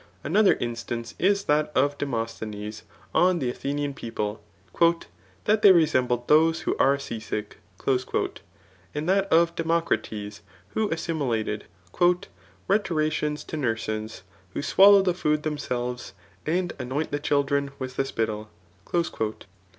Another instance is that of Demosthenes on [the Athenian] people, That they resembled those who are sea^sick." And that of Democrates who assi* milated '* Rhetoricians to nurses, who swallow the ibod themselves, and anoint the children with the spittle."